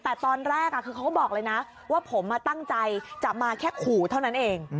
แต่ตอนแรกคือเขาก็บอกเลยนะว่าผมตั้งใจจะมาแค่ขู่เท่านั้นเอง